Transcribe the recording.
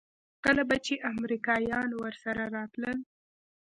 کله به چې امريکايان ورسره راتلل.